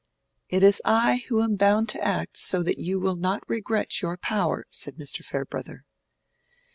"It is I who am bound to act so that you will not regret your power," said Mr. Farebrother.